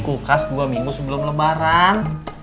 kulkas dua minggu sebelum lebaran